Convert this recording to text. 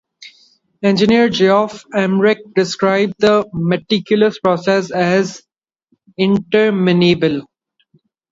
Engineer Geoff Emerick described the meticulous process as "interminable".